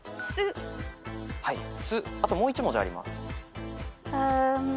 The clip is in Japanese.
あともう１文字あります。